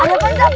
ada apaan itu